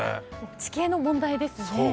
地形の問題ですね。